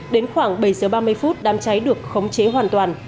đến khoảng bảy giờ ba mươi phút đám cháy được khống chế hoàn toàn